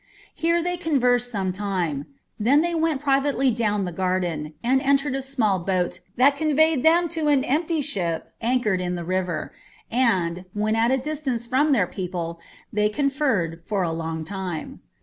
Here they con versed some time; then they went privately down the garden, and entered a small boat that conveyed them to ati empty ship anchored in the river, and, when at a distance from their people, they conferred fat B long time.